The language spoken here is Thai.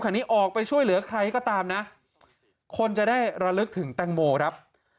นี้ออกไปช่วยเหลือใครก็ตามนะคนจะได้ระลึกถึงแตงโมครับ